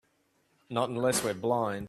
Not unless we're blind.